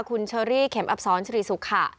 คุณเชอรี่เข็มอับซ้อนชรีสุขค่ะ